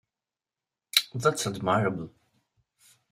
That's admirable